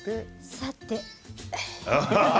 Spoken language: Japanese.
さて！